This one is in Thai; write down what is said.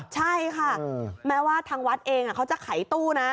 ใช่ค่ะแม้ว่าทางวัดเองเขาจะขายตู้นะ